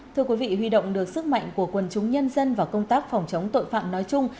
thưa quý vị huy động được sức mạnh của quân chúng nhân dân và công tác phòng chống tội phạm nói chung